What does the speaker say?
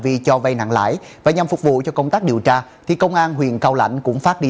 vi cho vay nặng lãi và nhằm phục vụ cho công tác điều tra thì công an huyện cao lãnh cũng phát đi